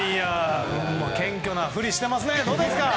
謙虚なふりをしていますねどうですか？